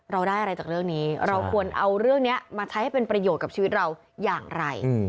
เราได้อะไรจากเรื่องนี้เราควรเอาเรื่องนี้มาใช้ให้เป็นประโยชน์กับชีวิตเราอย่างไร